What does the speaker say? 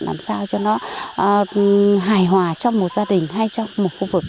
làm sao cho nó hài hòa trong một gia đình hay trong một khu vực